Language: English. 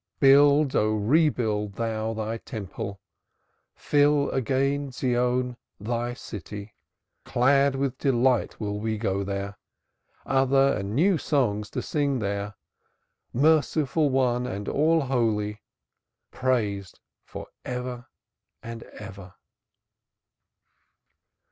Build, O rebuild thou, Thy Temple, Fill again Zion, Thy city, Clad with delight will we go there, Other and new songs to sing there, Merciful One and All Holy, Praised for ever and ever.